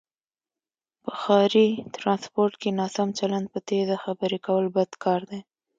په ښاری ټرانسپورټ کې ناسم چلند، په تیزه خبرې کول بد کاردی